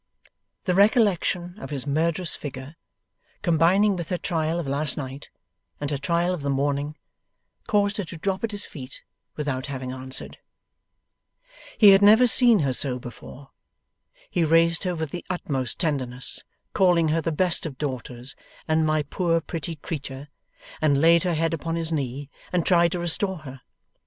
The recollection of his murderous figure, combining with her trial of last night, and her trial of the morning, caused her to drop at his feet, without having answered. He had never seen her so before. He raised her with the utmost tenderness, calling her the best of daughters, and 'my poor pretty creetur', and laid her head upon his knee, and tried to restore her.